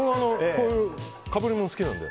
こういう被り物好きなので。